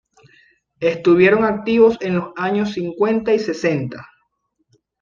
Estuvieron activos en los años cincuenta y sesenta.